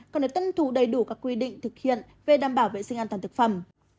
còn để tân thủ đầy đủ các quy định thực hiện về đảm bảo vệ sinh an toàn thực phẩm